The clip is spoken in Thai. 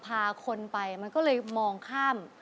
พาคนไปมันก็เลยมองข้าม